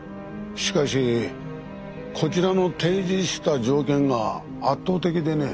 しかしこちらの提示した条件が圧倒的でね。